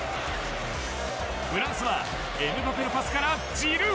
フランスはエムバペのパスからジルー！